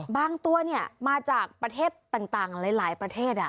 บางตัวเนี่ยมาจากประเทศต่างหลายประเทศ